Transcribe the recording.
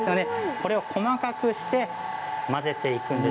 これを細かくして混ぜていくんです。